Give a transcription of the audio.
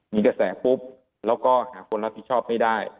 มีกระแสปุ๊บแล้วก็หาคนรับผิดชอบไม่ได้